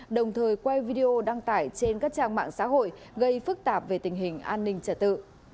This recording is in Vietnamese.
đồng thời quay video đăng tải trên các trang mạng xã hội gây phức tạp về tình hình an ninh trả tự